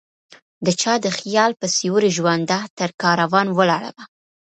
دچا د خیال په سیوری ژونده ؛ ترکاروان ولاړمه